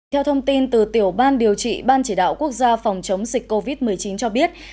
theo thông tin từ tiểu ban điều trị ban chỉ đạo quốc gia phòng chống dịch covid một mươi chín cho biết